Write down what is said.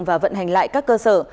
và vận hành lại các cơ sở